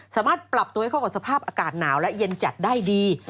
สามารถปรับตัวให้เข้ากับสภาพอากาศหนาวและเย็นจัดได้ดี